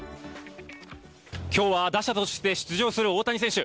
今日は打者として出場する大谷選手。